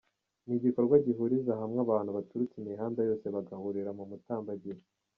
Ni igikorwa gihuriza hamwe abantu baturutse imihanda yose bagahurira mu mutambagiro.